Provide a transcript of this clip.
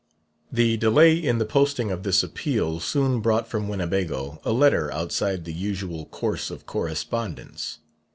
The delay in the posting of this appeal soon brought from Winnebago a letter outside the usual course of correspondence.